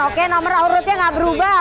oke nomor out routenya gak berubah